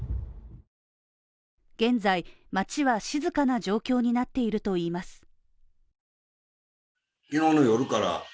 現在、街は静かな状況になっているといいます。